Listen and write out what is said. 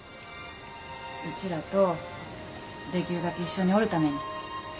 うちらとできるだけ一緒におるために。